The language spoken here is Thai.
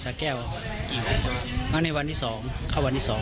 นี้อังคารวันที่สองก็อังคารวันที่สอง